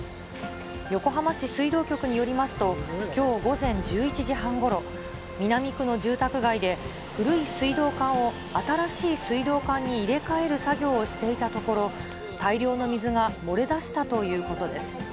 横浜市水道局によりますと、きょう午前１１時半ごろ、南区の住宅街で、古い水道管を新しい水道管に入れ替える作業をしていたところ、大量の水が漏れ出したということです。